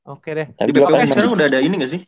oke deh di bpus sekarang udah ada ini gak sih